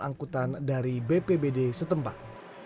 angkutan dari bpbd setempat